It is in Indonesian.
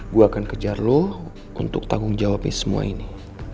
gue akan kejar lo untuk tanggung jawabnya semua ini